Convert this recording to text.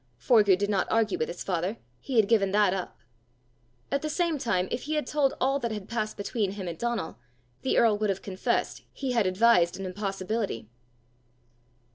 Forgue did not argue with his father. He had given that up. At the same time, if he had told all that had passed between him and Donal, the earl would have confessed he had advised an impossibility.